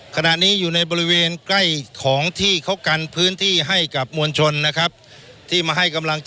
ขณะนี้อยู่ในบริเวณใกล้ของพื้นที่ให้กับวรชนนะครับ